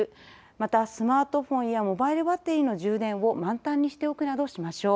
またスマートフォンやモバイルバッテリーの充電を満たんにしておくなどしましょう。